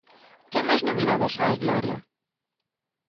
Que máis novidades hai, Gloria?